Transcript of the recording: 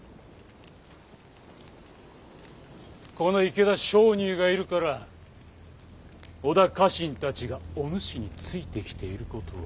この池田勝入がいるから織田家臣たちがお主についてきていることを